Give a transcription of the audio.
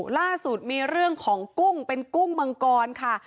ล่าสุดมีเรื่องของกุ้งเป็นกุ้งมังกรค่ะ